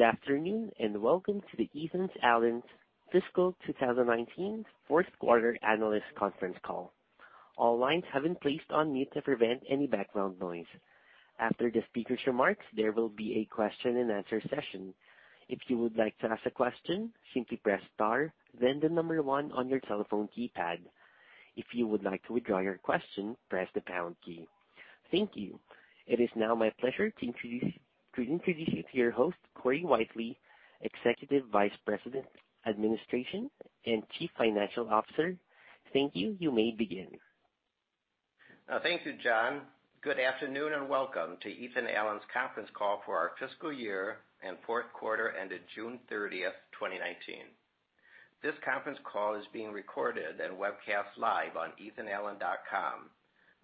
Good afternoon, and welcome to the Ethan Allen's fiscal 2019 fourth quarter analyst conference call. All lines have been placed on mute to prevent any background noise. After the speaker's remarks, there will be a question and answer session. If you would like to ask a question, simply press star then the number one on your telephone keypad. If you would like to withdraw your question, press the pound key. Thank you. It is now my pleasure to introduce you to your host, Corey Whitely, Executive Vice President of Administration and Chief Financial Officer. Thank you. You may begin. Thank you, John. Good afternoon, and welcome to Ethan Allen's conference call for our fiscal year and fourth quarter ended June 30, 2019. This conference call is being recorded and webcast live on ethanallen.com,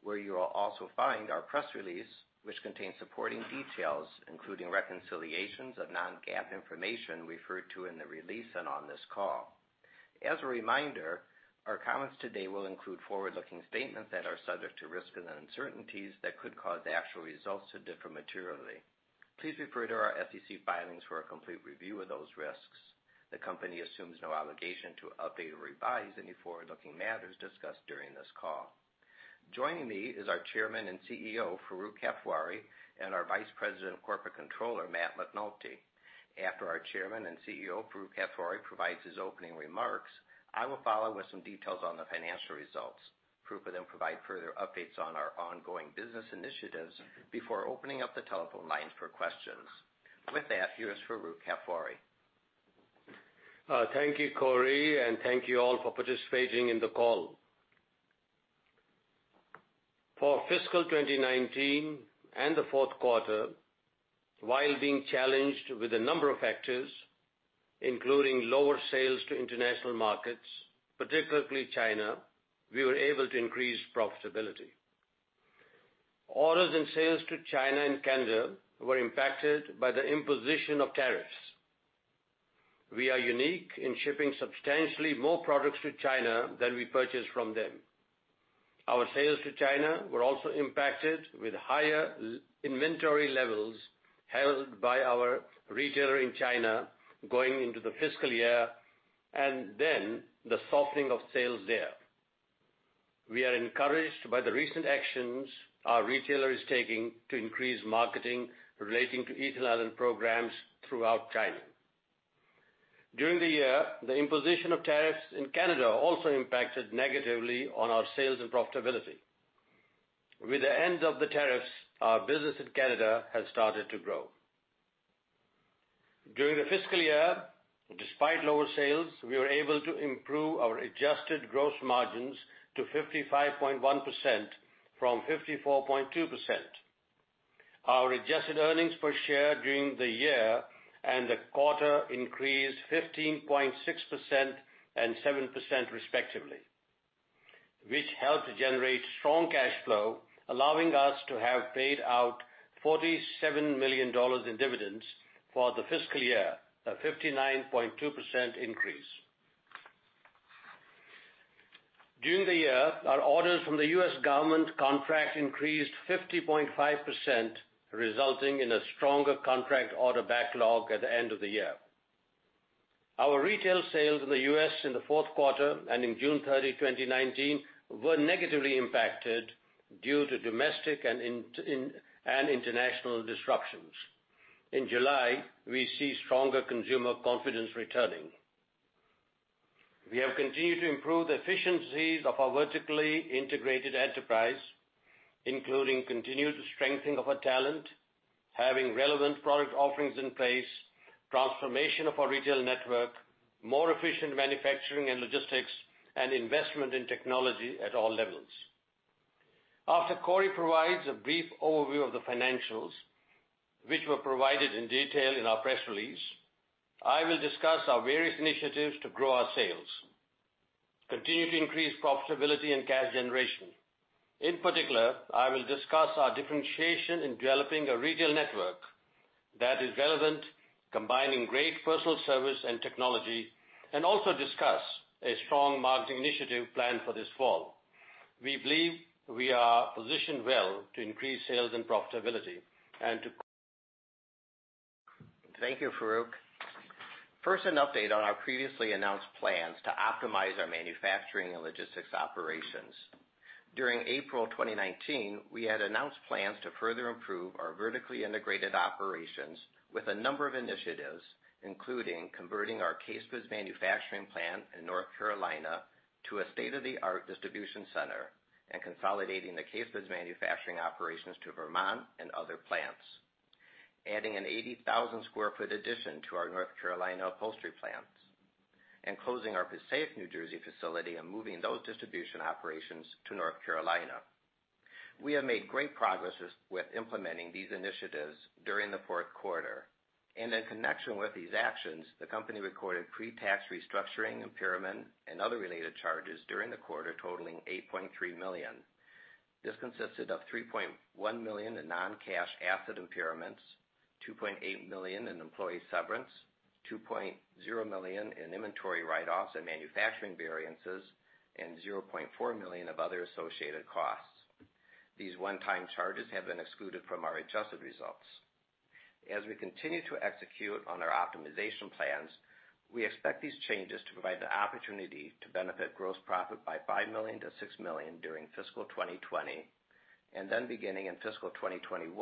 where you will also find our press release, which contains supporting details, including reconciliations of non-GAAP information referred to in the release and on this call. As a reminder, our comments today will include forward-looking statements that are subject to risks and uncertainties that could cause the actual results to differ materially. Please refer to our SEC filings for a complete review of those risks. The company assumes no obligation to update or revise any forward-looking matters discussed during this call. Joining me is our Chairman and CEO, Farooq Kathwari, and our Vice President of Corporate Controller, Matt McNulty. After our Chairman and CEO, Farooq Kathwari, provides his opening remarks, I will follow with some details on the financial results. Farooq will then provide further updates on our ongoing business initiatives before opening up the telephone lines for questions. With that, here is Farooq Kathwari. Thank you, Corey, and thank you all for participating in the call. For fiscal 2019 and the fourth quarter, while being challenged with a number of factors, including lower sales to international markets, particularly China, we were able to increase profitability. Orders and sales to China and Canada were impacted by the imposition of tariffs. We are unique in shipping substantially more products to China than we purchase from them. Our sales to China were also impacted with higher inventory levels held by our retailer in China going into the fiscal year, and then the softening of sales there. We are encouraged by the recent actions our retailer is taking to increase marketing relating to Ethan Allen programs throughout China. During the year, the imposition of tariffs in Canada also impacted negatively on our sales and profitability. With the end of the tariffs, our business in Canada has started to grow. During the fiscal year, despite lower sales, we were able to improve our adjusted gross margins to 55.1% from 54.2%. Our adjusted earnings per share during the year and the quarter increased 15.6% and 7% respectively, which helped generate strong cash flow, allowing us to have paid out $47 million in dividends for the fiscal year, a 59.2% increase. During the year, our orders from the U.S. government contract increased 50.5%, resulting in a stronger contract order backlog at the end of the year. Our retail sales in the U.S. in the fourth quarter and in June 30, 2019, were negatively impacted due to domestic and international disruptions. In July, we see stronger consumer confidence returning. We have continued to improve the efficiencies of our vertically integrated enterprise, including continued strengthening of our talent, having relevant product offerings in place, transformation of our retail network, more efficient manufacturing and logistics, and investment in technology at all levels. After Corey provides a brief overview of the financials, which were provided in detail in our press release, I will discuss our various initiatives to grow our sales, continue to increase profitability and cash generation. In particular, I will discuss our differentiation in developing a retail network that is relevant, combining great personal service and technology, and also discuss a strong marketing initiative plan for this fall. We believe we are positioned well to increase sales and profitability and to. Thank you, Farooq. First, an update on our previously announced plans to optimize our manufacturing and logistics operations. During April 2019, we had announced plans to further improve our vertically integrated operations with a number of initiatives, including converting our Casegoods manufacturing plant in North Carolina to a state-of-the-art distribution center and consolidating the Casegoods manufacturing operations to Vermont and other plants, adding an 80,000 sq ft addition to our North Carolina upholstery plants and closing our Passaic, New Jersey facility and moving those distribution operations to North Carolina. We have made great progresses with implementing these initiatives during the fourth quarter. In connection with these actions, the company recorded pre-tax restructuring, impairment, and other related charges during the quarter, totaling $8.3 million. This consisted of $3.1 million in non-cash asset impairments, $2.8 million in employee severance, $2.0 million in inventory write-offs and manufacturing variances, and $0.4 million of other associated costs. These one-time charges have been excluded from our adjusted results. We continue to execute on our optimization plans, we expect these changes to provide the opportunity to benefit gross profit by $5 million-$6 million during fiscal 2020, and then beginning in fiscal 2021,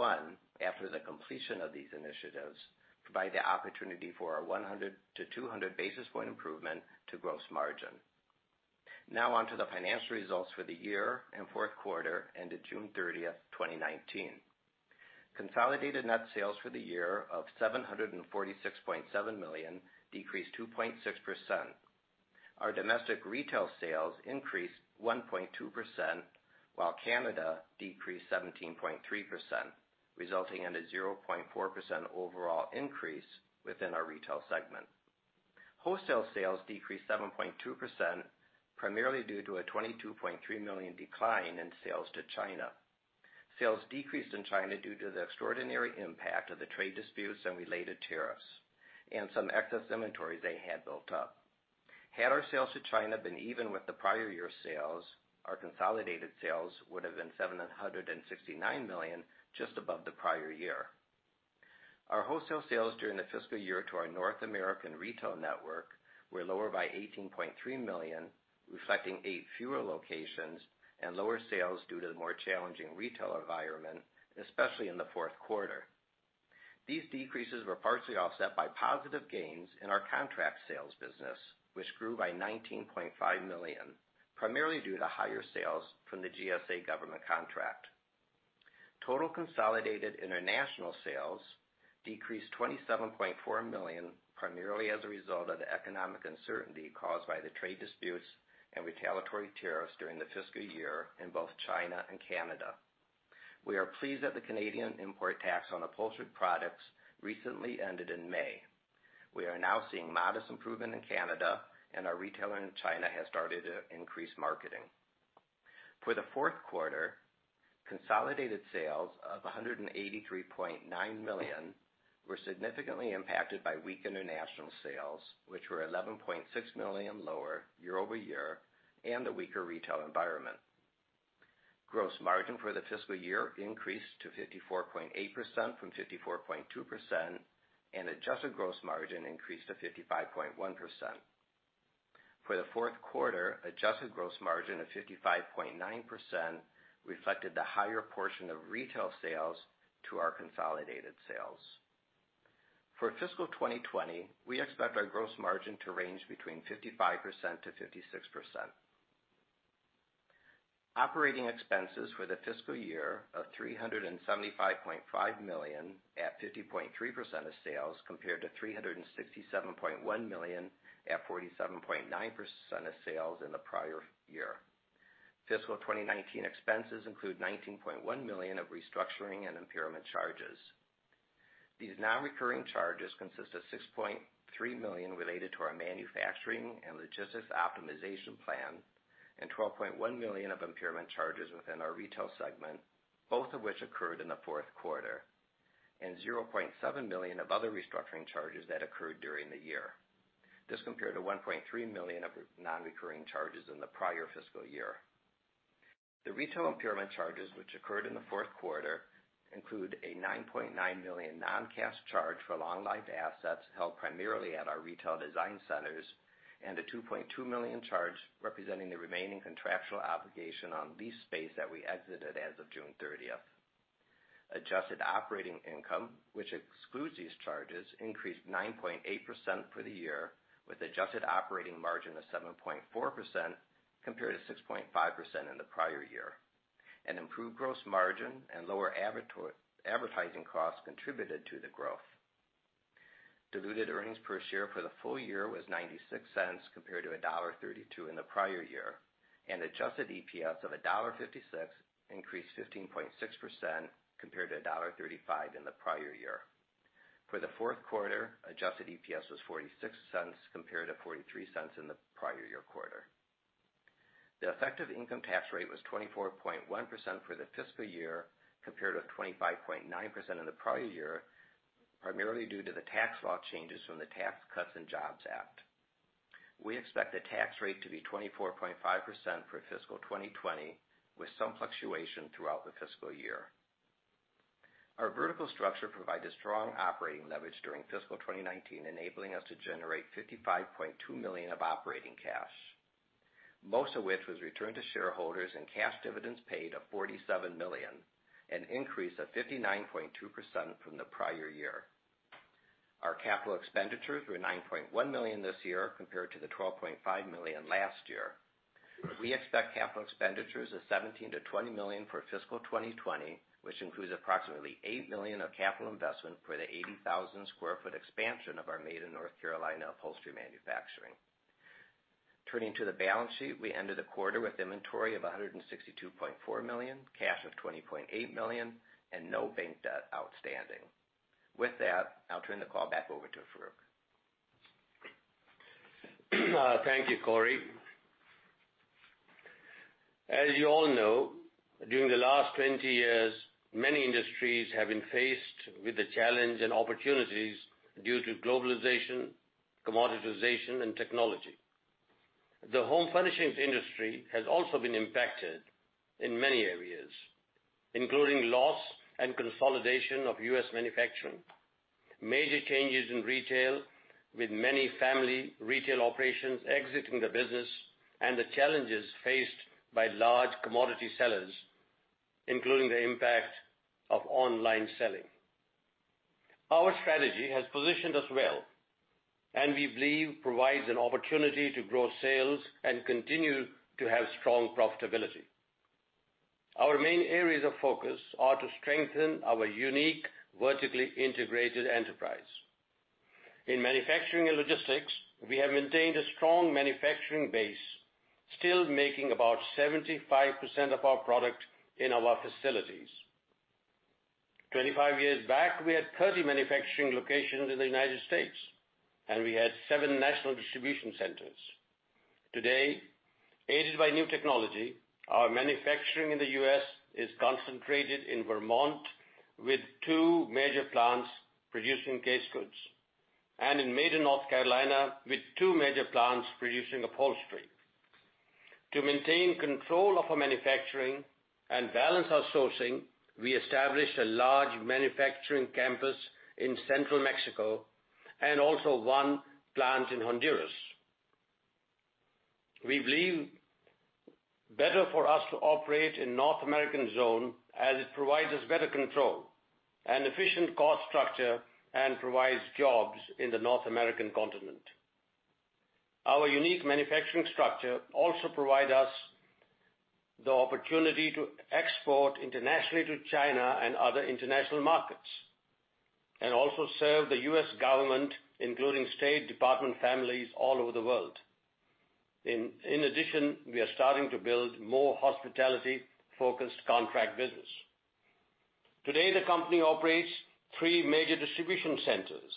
after the completion of these initiatives, provide the opportunity for a 100 to 200 basis point improvement to gross margin. On to the financial results for the year and fourth quarter ended June 30th, 2019. Consolidated net sales for the year of $746.7 million decreased 2.6%. Our domestic retail sales increased 1.2%, while Canada decreased 17.3%, resulting in a 0.4% overall increase within our retail segment. Wholesale sales decreased 7.2%, primarily due to a $22.3 million decline in sales to China. Sales decreased in China due to the extraordinary impact of the trade disputes and related tariffs, and some excess inventories they had built up. Had our sales to China been even with the prior year sales, our consolidated sales would have been $769 million, just above the prior year. Our wholesale sales during the fiscal year to our North American retail network were lower by $18.3 million, reflecting eight fewer locations and lower sales due to the more challenging retail environment, especially in the fourth quarter. These decreases were partially offset by positive gains in our contract sales business, which grew by $19.5 million, primarily due to higher sales from the GSA government contract. Total consolidated international sales decreased $27.4 million, primarily as a result of the economic uncertainty caused by the trade disputes and retaliatory tariffs during the fiscal year in both China and Canada. We are pleased that the Canadian import tax on upholstered products recently ended in May. We are now seeing modest improvement in Canada, and our retailer in China has started increased marketing. For the fourth quarter, consolidated sales of $183.9 million were significantly impacted by weak international sales, which were $11.6 million lower year-over-year, and the weaker retail environment. Gross margin for the fiscal year increased to 54.8% from 54.2%, and adjusted gross margin increased to 55.1%. For the fourth quarter, adjusted gross margin of 55.9% reflected the higher portion of retail sales to our consolidated sales. For fiscal 2020, we expect our gross margin to range between 55%-56%. Operating expenses for the fiscal year of $375.5 million at 50.3% of sales compared to $367.1 million at 47.9% of sales in the prior year. Fiscal 2019 expenses include $19.1 million of restructuring and impairment charges. These non-recurring charges consist of $6.3 million related to our manufacturing and logistics optimization plan, and $12.1 million of impairment charges within our retail segment, both of which occurred in the fourth quarter, and $0.7 million of other restructuring charges that occurred during the year. This compared to $1.3 million of non-recurring charges in the prior fiscal year. The retail impairment charges, which occurred in the fourth quarter, include a $9.9 million non-cash charge for long-lived assets held primarily at our retail design centers and a $2.2 million charge representing the remaining contractual obligation on lease space that we exited as of June 30th. Adjusted operating income, which excludes these charges, increased 9.8% for the year, with adjusted operating margin of 7.4% compared to 6.5% in the prior year. An improved gross margin and lower advertising costs contributed to the growth. Diluted earnings per share for the full year was $0.96 compared to $1.32 in the prior year, and adjusted EPS of $1.56 increased 15.6% compared to $1.35 in the prior year. For the fourth quarter, adjusted EPS was $0.46 compared to $0.43 in the prior year quarter. The effective income tax rate was 24.1% for the fiscal year compared with 25.9% in the prior year, primarily due to the tax law changes from the Tax Cuts and Jobs Act. We expect the tax rate to be 24.5% for fiscal 2020, with some fluctuation throughout the fiscal year. Our vertical structure provided strong operating leverage during fiscal 2019, enabling us to generate $55.2 million of operating cash. Most of which was returned to shareholders in cash dividends paid of $47 million, an increase of 59.2% from the prior year. Our capital expenditures were $9.1 million this year compared to the $12.5 million last year. We expect capital expenditures of $17 million-$20 million for fiscal 2020, which includes approximately $8 million of capital investment for the 80,000 sq ft expansion of our Made in North Carolina upholstery manufacturing. Turning to the balance sheet, we ended the quarter with inventory of $162.4 million, cash of $20.8 million, and no bank debt outstanding. With that, I'll turn the call back over to Farooq. Thank you, Corey. As you all know, during the last 20 years, many industries have been faced with the challenge and opportunities due to globalization, commoditization, and technology. The home furnishings industry has also been impacted in many areas, including loss and consolidation of U.S. manufacturing, major changes in retail with many family retail operations exiting the business, and the challenges faced by large commodity sellers, including the impact of online selling. Our strategy has positioned us well, and we believe provides an opportunity to grow sales and continue to have strong profitability. Our main areas of focus are to strengthen our unique vertically integrated enterprise. In manufacturing and logistics, we have maintained a strong manufacturing base, still making about 75% of our product in our facilities. 25 years back, we had 30 manufacturing locations in the United States, and we had seven national distribution centers. Today, aided by new technology, our manufacturing in the U.S. is concentrated in Vermont with two major plants producing Casegoods, and in Maiden, North Carolina, with two major plants producing upholstery. To maintain control of our manufacturing and balance our sourcing, we established a large manufacturing campus in central Mexico and also one plant in Honduras. We believe better for us to operate in North American zone as it provides us better control and efficient cost structure and provides jobs in the North American continent. Our unique manufacturing structure also provide us the opportunity to export internationally to China and other international markets, and also serve the U.S. government, including State Department families all over the world. In addition, we are starting to build more hospitality-focused contract business. Today, the company operates three major distribution centers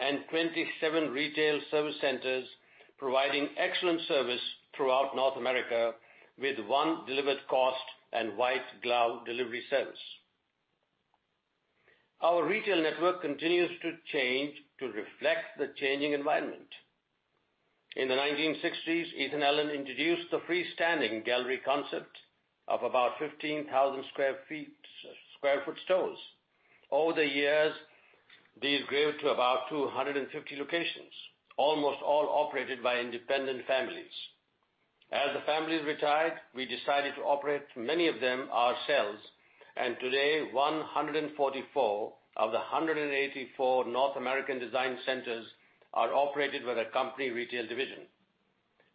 and 27 retail service centers providing excellent service throughout North America with one delivered cost and white glove delivery service. Our retail network continues to change to reflect the changing environment. In the 1960s, Ethan Allen introduced the freestanding gallery concept of about 15,000 square foot stores. Over the years, these grew to about 250 locations, almost all operated by independent families. As the families retired, we decided to operate many of them ourselves, and today 144 of the 184 North American design centers are operated by the company retail division.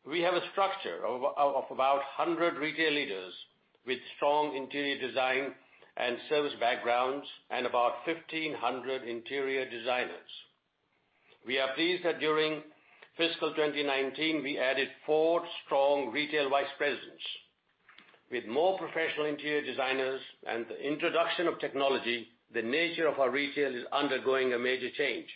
We have a structure of about 100 retail leaders with strong interior design and service backgrounds and about 1,500 interior designers. We are pleased that during fiscal 2019, we added four strong retail vice presidents. With more professional interior designers and the introduction of technology, the nature of our retail is undergoing a major change.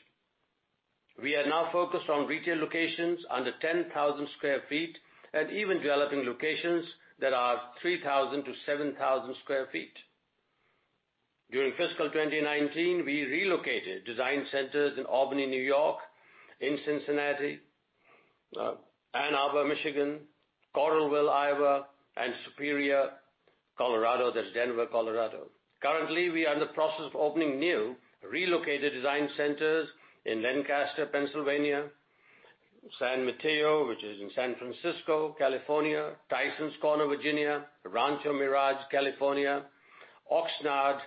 We are now focused on retail locations under 10,000 square feet and even developing locations that are 3,000 to 7,000 square feet. During fiscal 2019, we relocated design centers in Albany, N.Y., in Cincinnati, Ann Arbor, Michigan, Coralville, Iowa, and Superior, Colorado. That's Denver, Colorado. Currently, we are in the process of opening new relocated design centers in Lancaster, Pennsylvania; San Mateo, which is in San Francisco, California; Tysons Corner, Virginia; Rancho Mirage, California; Oxnard,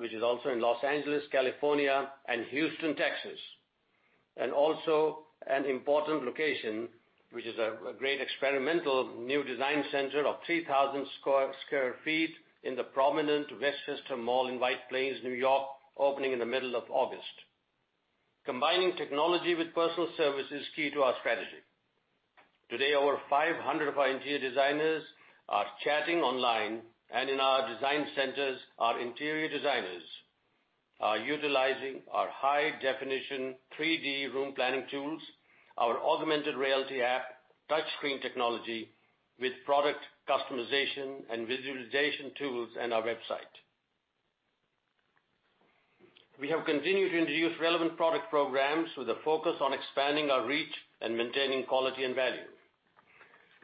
which is also in L.A., California; and Houston, Texas. Also an important location, which is a great experimental new design center of 3,000 square feet in the prominent Westchester Mall in White Plains, N.Y., opening in the middle of August. Combining technology with personal service is key to our strategy. Today, over 500 of our interior designers are chatting online, and in our design centers, our interior designers are utilizing our high-definition 3D room planning tools, our augmented reality app, touchscreen technology with product customization and visualization tools in our website. We have continued to introduce relevant product programs with a focus on expanding our reach and maintaining quality and value.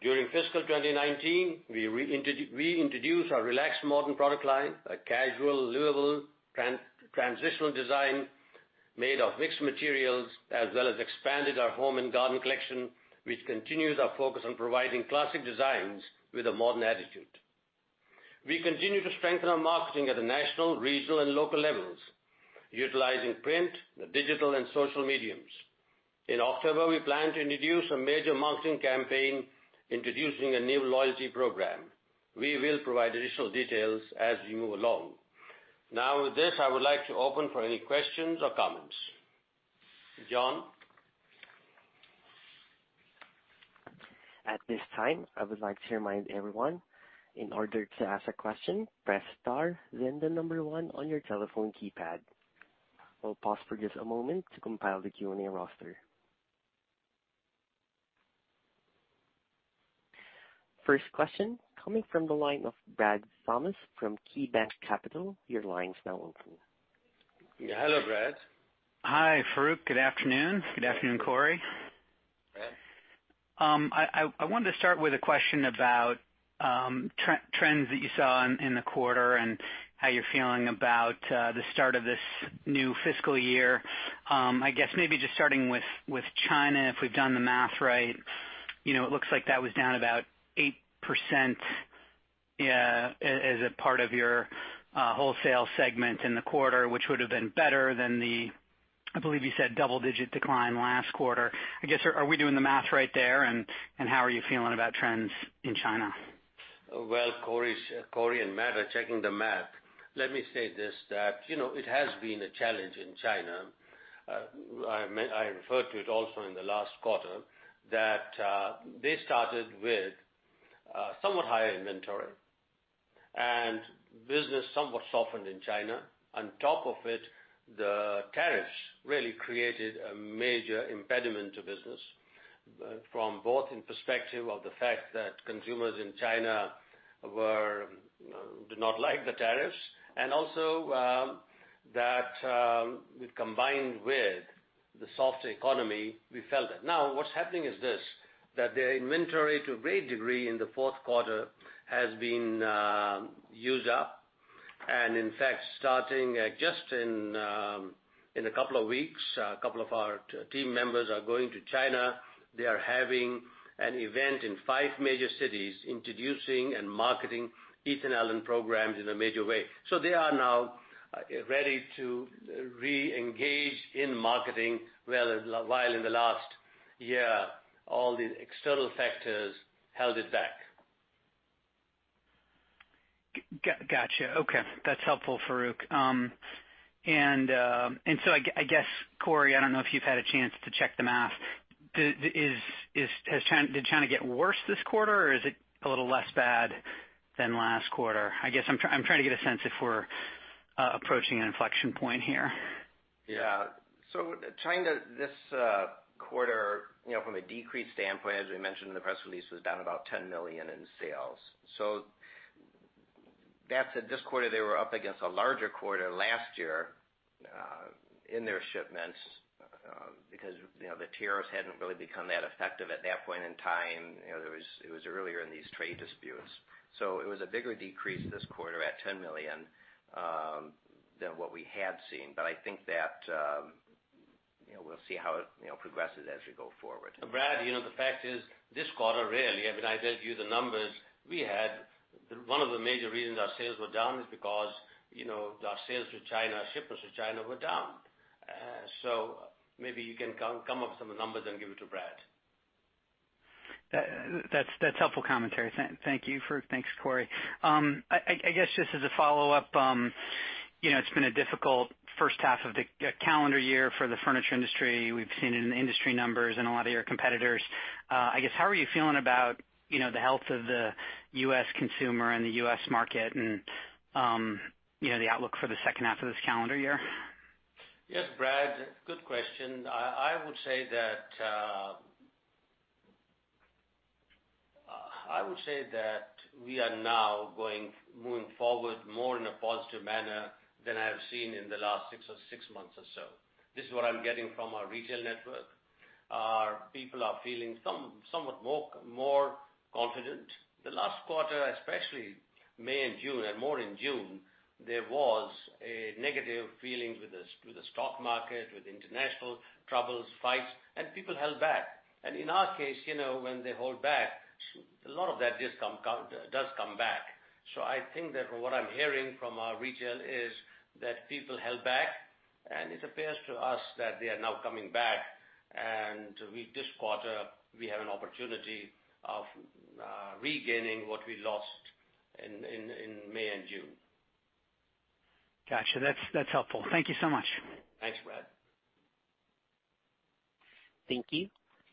During fiscal 2019, we reintroduced our Relaxed Modern product line, a casual, livable, transitional design made of mixed materials, as well as expanded our Home & Garden collection, which continues our focus on providing classic designs with a modern attitude. We continue to strengthen our marketing at the national, regional, and local levels, utilizing print, the digital, and social mediums. In October, we plan to introduce a major marketing campaign introducing a new loyalty program. We will provide additional details as we move along. Now, with this, I would like to open for any questions or comments. John? At this time, I would like to remind everyone, in order to ask a question, press star then the number 1 on your telephone keypad. I will pause for just a moment to compile the Q&A roster. First question coming from the line of Brad Thomas from KeyBanc Capital. Your line's now open. Hello, Brad. Hi, Farooq. Good afternoon. Good afternoon, Corey. Brad. I wanted to start with a question about trends that you saw in the quarter and how you're feeling about the start of this new fiscal year. I guess maybe just starting with China, if we've done the math right, it looks like that was down about 8% as a part of your wholesale segment in the quarter, which would have been better than the, I believe you said, double-digit decline last quarter. I guess, are we doing the math right there, and how are you feeling about trends in China? Corey and Matt are checking the math. Let me say this, that it has been a challenge in China. I referred to it also in the last quarter that they started with somewhat higher inventory, and business somewhat softened in China. On top of it, the tariffs really created a major impediment to business, from both in perspective of the fact that consumers in China did not like the tariffs, and also that combined with the softer economy, we felt it. What's happening is this, that their inventory, to a great degree in the fourth quarter, has been used up. In fact, starting just in a couple of weeks, a couple of our team members are going to China. They are having an event in five major cities introducing and marketing Ethan Allen programs in a major way. They are now ready to re-engage in marketing, while in the last year, all the external factors held it back. Got you. Okay. That's helpful, Farooq. I guess, Corey, I don't know if you've had a chance to check the math. Did China get worse this quarter, or is it a little less bad than last quarter? I guess I'm trying to get a sense if we're approaching an inflection point here. Yeah. China, this quarter, from a decrease standpoint, as we mentioned in the press release, was down about $10 million in sales. That's this quarter, they were up against a larger quarter last year in their shipments, because the tariffs hadn't really become that effective at that point in time. It was earlier in these trade disputes. It was a bigger decrease this quarter at $10 million, than what we had seen. I think that we'll see how it progresses as we go forward. Brad, the fact is this quarter, really, I gave you the numbers, we had one of the major reasons our sales were down is because our sales to China, shipments to China were down. Maybe you can come up with some numbers and give it to Brad. That's helpful commentary. Thank you, Farooq. Thanks, Corey. I guess just as a follow-up, it's been a difficult first half of the calendar year for the furniture industry. We've seen it in the industry numbers and a lot of your competitors. I guess, how are you feeling about the health of the U.S. consumer and the U.S. market and the outlook for the second half of this calendar year? Yes, Brad, good question. I would say that we are now moving forward more in a positive manner than I have seen in the last six months or so. This is what I'm getting from our retail network. Our people are feeling somewhat more confident. The last quarter, especially May and June, and more in June, there was a negative feeling with the stock market, with international troubles, fights, and people held back. In our case, when they hold back, a lot of that does come back. I think that what I'm hearing from our retail is that people held back, and it appears to us that they are now coming back, and this quarter, we have an opportunity of regaining what we lost in May and June. Got you. That's helpful. Thank you so much. Thanks, Brad. Thank you.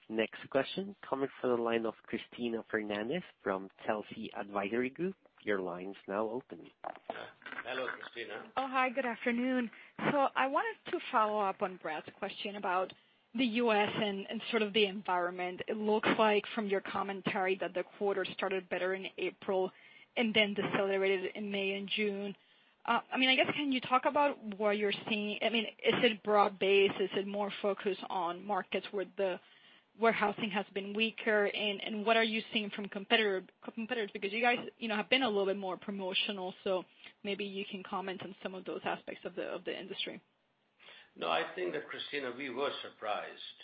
Next question coming from the line of Cristina Fernández from Telsey Advisory Group. Your line is now open. Hello, Cristina. Hi. Good afternoon. I wanted to follow up on Brad's question about the U.S. and sort of the environment. It looks like from your commentary that the quarter started better in April and then decelerated in May and June. I guess, can you talk about what you're seeing? Is it broad-based? Is it more focused on markets where the warehousing has been weaker? What are you seeing from competitors? You guys have been a little bit more promotional, so maybe you can comment on some of those aspects of the industry. No, I think that Cristina, we were surprised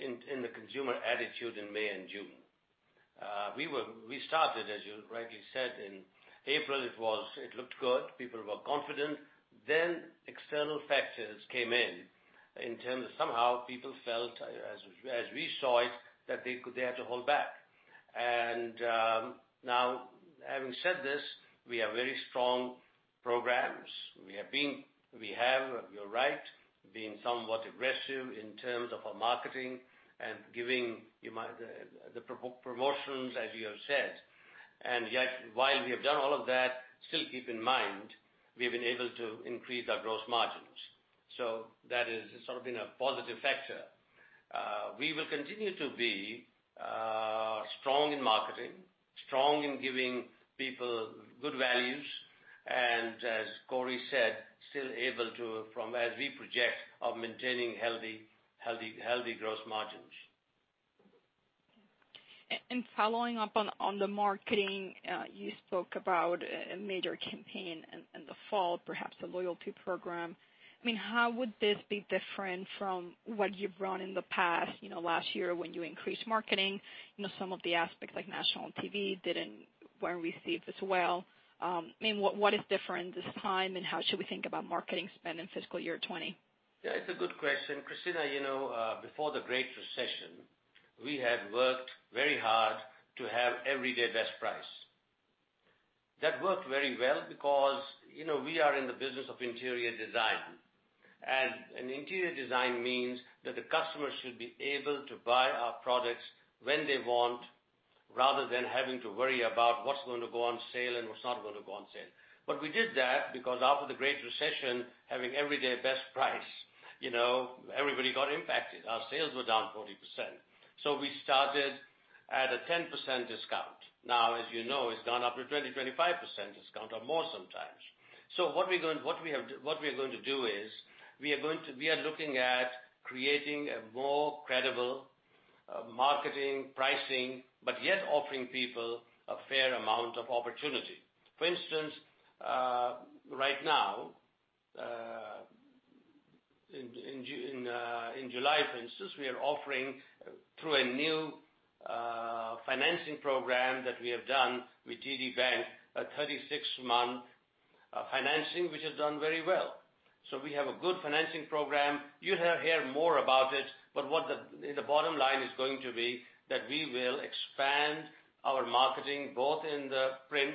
in the consumer attitude in May and June. We started, as you rightly said, in April, it looked good. People were confident. External factors came in terms of somehow people felt, as we saw it, that they had to hold back. Now, having said this, we have very strong programs. We have, you're right, been somewhat aggressive in terms of our marketing and giving the promotions, as you have said. Yet, while we have done all of that, still keep in mind, we've been able to increase our gross margins. That has sort of been a positive factor. We will continue to be strong in marketing, strong in giving people good values, and as Corey said, still able to, as we project, of maintaining healthy gross margins. Following up on the marketing, you spoke about a major campaign in the fall, perhaps a loyalty program. How would this be different from what you've run in the past, last year when you increased marketing? Some of the aspects like national and TV weren't received as well. What is different this time, and how should we think about marketing spend in fiscal year 2020? It's a good question. Cristina, before the Great Recession, we had worked very hard to have everyday best price. That worked very well because we are in the business of interior design. Interior design means that the customer should be able to buy our products when they want, rather than having to worry about what's going to go on sale and what's not going to go on sale. We did that because after the Great Recession, having everyday best price, everybody got impacted. Our sales were down 40%. We started at a 10% discount. Now, as you know, it's gone up to 20, 25% discount or more sometimes. What we are going to do is, we are looking at creating a more credible marketing pricing, but yet offering people a fair amount of opportunity. For instance, right now, in July for instance, we are offering through a new financing program that we have done with TD Bank, a 36-month financing, which has done very well. We have a good financing program. You'll hear more about it, but the bottom line is going to be that we will expand our marketing, both in the print,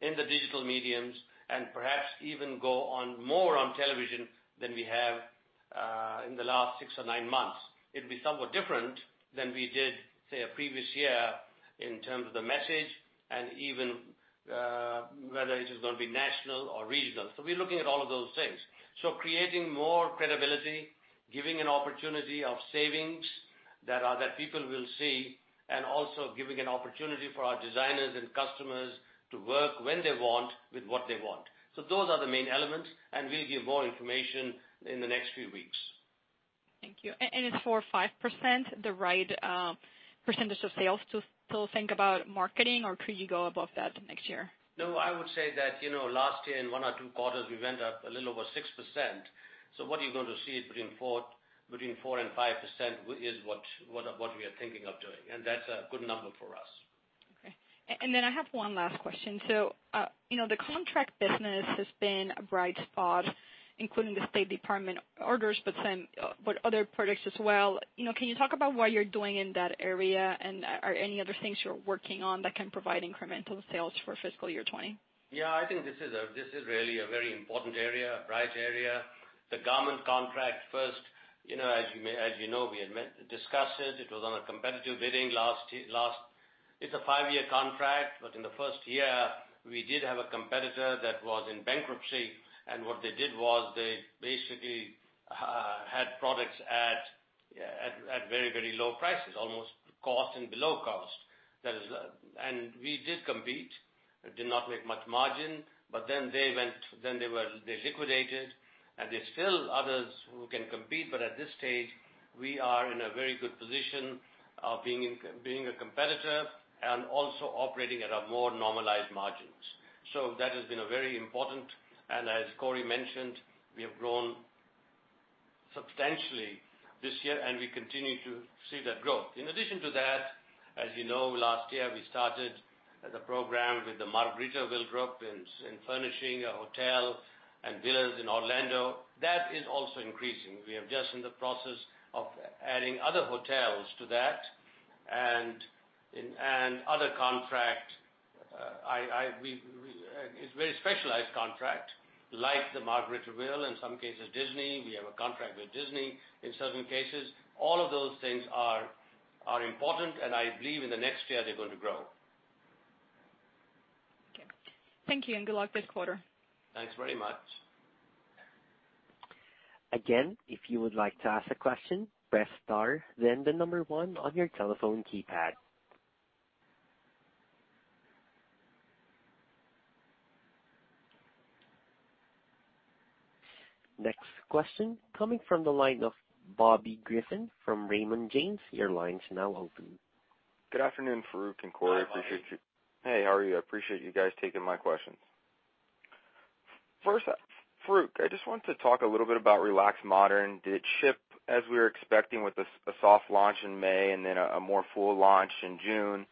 in the digital mediums, and perhaps even go more on television than we have in the last six or nine months. It'd be somewhat different than we did, say, a previous year in terms of the message and even whether it is going to be national or regional. We're looking at all of those things. Creating more credibility, giving an opportunity of savings that people will see, and also giving an opportunity for our designers and customers to work when they want with what they want. Those are the main elements, and we'll give more information in the next few weeks. Thank you. Is 4% or 5% the right percentage of sales to still think about marketing, or could you go above that next year? No, I would say that, last year in one or two quarters, we went up a little over 6%. What you're going to see is between 4% and 5%, is what we are thinking of doing. That's a good number for us. Okay. I have one last question. The contract business has been a bright spot, including the State Department orders, but other products as well. Can you talk about what you're doing in that area? Are there any other things you're working on that can provide incremental sales for fiscal year 2020? Yeah, I think this is really a very important area, a bright area. The government contract first, as you know, we had discussed it. It was on a competitive bidding last. It's a 5-year contract, but in the first year, we did have a competitor that was in bankruptcy, and what they did was they basically had products at very, very low prices, almost cost and below cost. We did compete, but did not make much margin. They liquidated, and there's still others who can compete, but at this stage, we are in a very good position of being a competitor and also operating at a more normalized margins. That has been a very important, and as Corey mentioned, we have grown substantially this year, and we continue to see that growth. In addition to that, as you know, last year, we started the program with the Margaritaville Group in furnishing a hotel and villas in Orlando. That is also increasing. We are just in the process of adding other hotels to that and other contract. It's very specialized contract, like the Margaritaville, in some cases, Disney. We have a contract with Disney in certain cases. All of those things are important, and I believe in the next year, they're going to grow. Okay. Thank you, and good luck this quarter. Thanks very much. Again, if you would like to ask a question, press star, then the number one on your telephone keypad. Next question coming from the line of Bobby Griffin from Raymond James. Your line's now open. Good afternoon, Farooq and Corey. Hi, Bobby. Hey, how are you? I appreciate you guys taking my questions. Farooq, I just wanted to talk a little bit about Relaxed Modern. Did it ship as we were expecting with a soft launch in May and then a more full launch in June?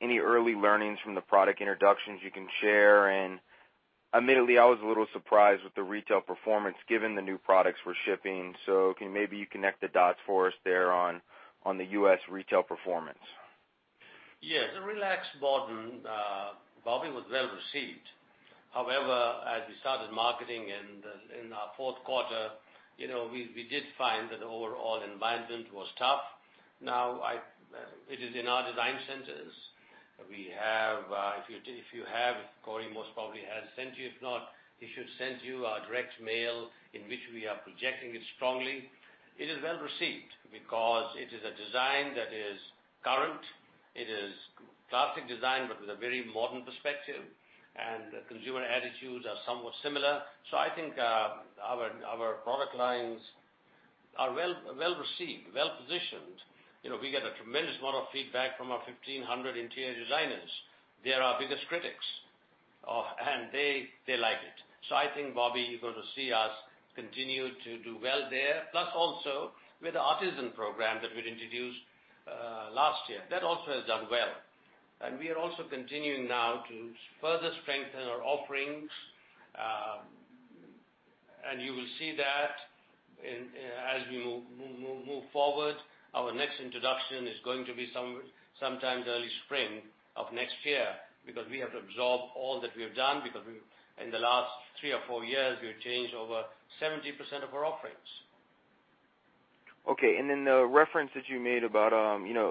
Any early learnings from the product introductions you can share? Admittedly, I was a little surprised with the retail performance given the new products we're shipping. Can maybe you connect the dots for us there on the U.S. retail performance? Yes. The Relaxed Modern, Bobby, was well received. As we started marketing in our fourth quarter, we did find that the overall environment was tough. It is in our design centers. We have, if you have, Corey most probably has sent you. If not, he should send you our direct mail in which we are projecting it strongly. It is well-received because it is a design that is current. It is classic design, but with a very modern perspective, and consumer attitudes are somewhat similar. I think our product lines are well-received, well-positioned. We get a tremendous amount of feedback from our 1,500 interior designers. They're our biggest critics, and they like it. I think, Bobby, you're going to see us continue to do well there, plus also with the Artisan program that we'd introduced last year. That also has done well. We are also continuing now to further strengthen our offerings. You will see that as we move forward. Our next introduction is going to be sometime early spring of next year because we have to absorb all that we have done because in the last three or four years, we have changed over 70% of our offerings. Okay. The reference that you made about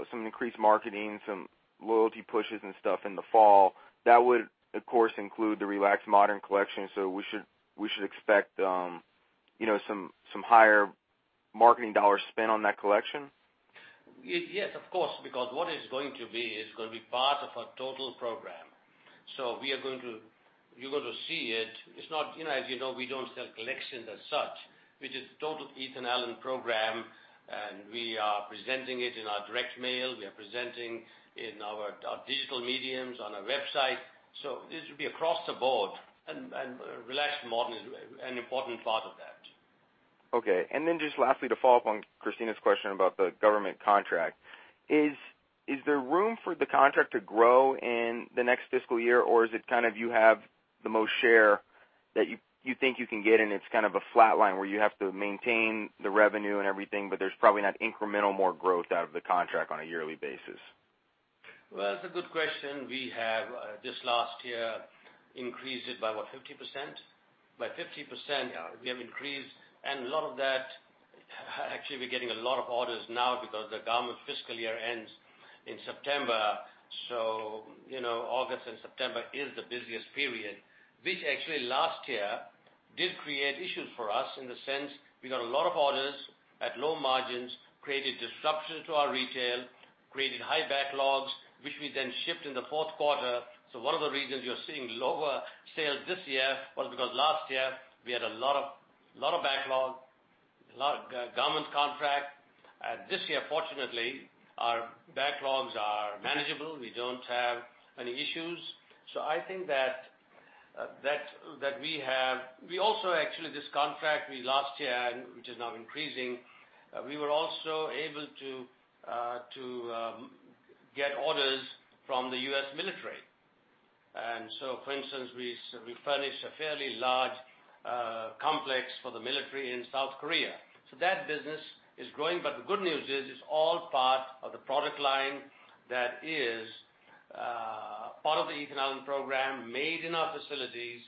some increased marketing, some loyalty pushes and stuff in the fall, that would, of course, include the Relaxed Modern collection. We should expect some higher marketing dollar spend on that collection? Yes, of course, because what is going to be, it's going to be part of our total program. You're going to see it. As you know, we don't sell collections as such. It is total Ethan Allen program, and we are presenting it in our direct mail. We are presenting in our digital mediums, on our website. This will be across the board, and Relaxed Modern is an important part of that. Okay. Just lastly, to follow up on Cristina's question about the government contract. Is there room for the contract to grow in the next fiscal year, or is it kind of you have the most share that you think you can get, and it's kind of a flat line where you have to maintain the revenue and everything, but there's probably not incremental more growth out of the contract on a yearly basis? Well, it's a good question. We have, this last year, increased it by what, 50%? By 50% we have increased, and a lot of that, actually, we're getting a lot of orders now because the government fiscal year ends in September. August and September is the busiest period, which actually last year did create issues for us in the sense we got a lot of orders at low margins, created disruption to our retail, created high backlogs, which we then shipped in the fourth quarter. This year, fortunately, our backlogs are manageable. We don't have any issues. I think that we also actually, this contract last year, which is now increasing, we were also able to get orders from the U.S. military. For instance, we furnish a fairly large complex for the military in South Korea. That business is growing, but the good news is it's all part of the product line that is part of the Ethan Allen program, made in our facilities.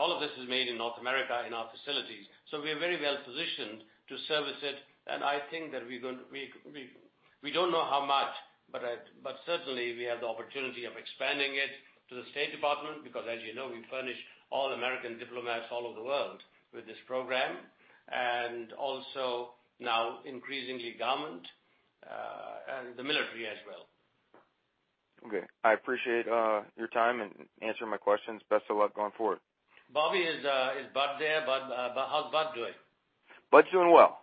All of this is made in North America in our facilities. We are very well-positioned to service it. I think that we don't know how much, but certainly, we have the opportunity of expanding it to the State Department because as you know, we furnish all American diplomats all over the world with this program, and also now increasingly government, and the military as well. Okay. I appreciate your time and answering my questions. Best of luck going forward. Bobby, is Bud there? How's Bud doing? Bud's doing well.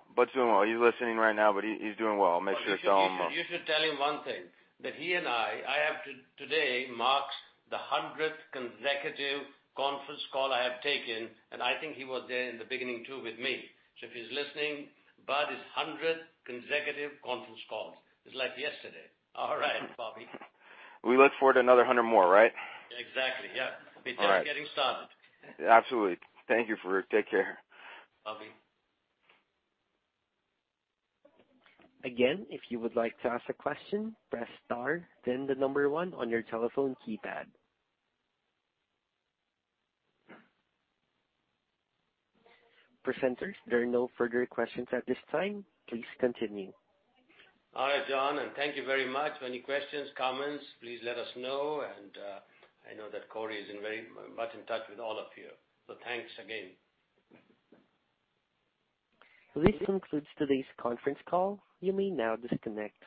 He's listening right now, but he's doing well. Make sure to tell him. You should tell him one thing, that he and I have today marks the 100th consecutive conference call I have taken. I think he was there in the beginning too with me. If he's listening, Bud, it's 100 consecutive conference calls. It's like yesterday. All right, Bobby. We look forward to another 100 more, right? Exactly. Yeah. All right. We're just getting started. Absolutely. Thank you for Take care. Bobby. Again, if you would like to ask a question, press star, then the number one on your telephone keypad. Presenters, there are no further questions at this time. Please continue. All right, John, thank you very much. Any questions, comments, please let us know. I know that Corey is very much in touch with all of you. Thanks again. This concludes today's conference call. You may now disconnect.